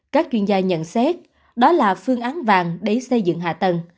các chuyên gia nhận xét đó là phương án vàng để xây dựng hạ tầng